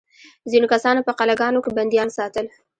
ځینو کسانو په قلعه ګانو کې بندیان ساتل.